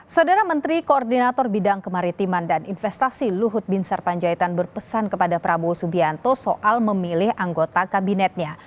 saudara menteri koordinator bidang kemaritiman dan investasi luhut bin sarpanjaitan berpesan kepada prabowo subianto soal memilih anggota kabinetnya